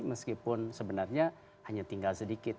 meskipun sebenarnya hanya tinggal sedikit